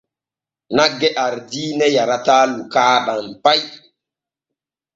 Nagge ardiiŋe yarataa lukaaɗam pay.